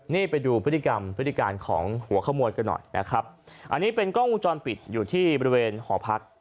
นี่ไปดูพฤติกรรมพฤติการของหัวขโมยกันหน่อยนะครับอันนี้เป็นกล้องวงจรปิดอยู่ที่บริเวณหอพัก